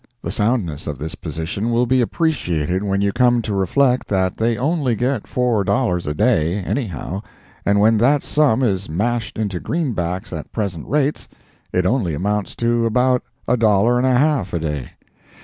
The soundness of this position will be appreciated when you come to reflect that they only get four dollars a day, anyhow, and when that sum is mashed into green backs at present rates, it only amounts to about a dollar and a half a day.